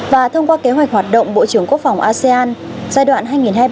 và thông qua kế hoạch hoạt động bộ trưởng quốc phòng asean giai đoạn hai nghìn hai mươi hai nghìn hai mươi năm